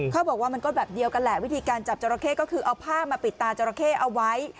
เขาบอกว่ามันก็แบบเดียวกันแหละวิธีการจับจราเข้ก็คือเอาผ้ามาปิดตาจราเข้เอาไว้